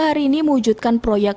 hari ini mewujudkan proyek